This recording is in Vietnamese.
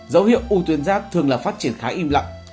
dấu hiệu u tuyến giáp thường là phát triển khá im lặng